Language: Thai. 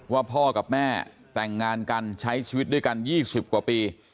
พ่อกับแม่แต่งงานกันใช้ชีวิตด้วยกัน๒๐กว่าปี